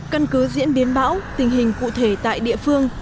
căn cứ diễn biến bão tình hình cụ thể tại địa phương